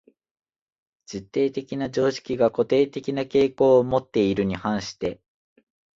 実定的な常識が固定的な傾向をもっているに反して、